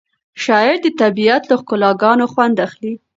شاعر د طبیعت له ښکلاګانو خوند اخلي.